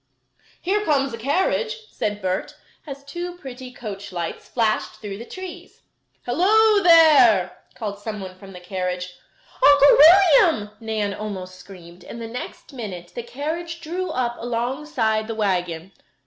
"Here comes a carriage," said Bert, as two pretty coach lights flashed through the trees. "Hello there!" called someone from the carriage. "Uncle William!" Nan almost screamed, and the next minute the carriage drew up alongside the wagon.